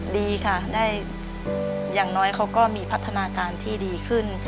ดีค่ะได้อย่างน้อยเขาก็มีพัฒนาการที่ดีขึ้น